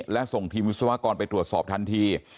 และส่งทีมวิศวกรไปตรวจสอบทันที